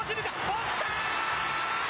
落ちたー！